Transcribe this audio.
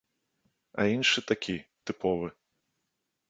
А іншы такі, тыповы.